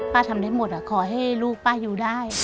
ทำได้หมดขอให้ลูกป้าอยู่ได้